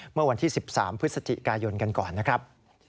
เมื่อวันที่๑๓พฤศจิกายนกันก่อนนะครับ